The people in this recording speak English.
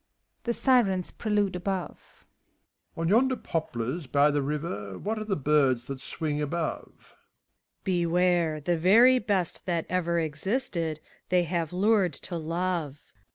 {The Sirens prelude above.) MEPHISTOPHELES. On yonder poplars by the river, What are the birds that swing above f SPHINX. Beware ! The very best that ever Existed^ they have lured to love.